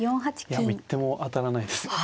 いやもう一手も当たらないですね。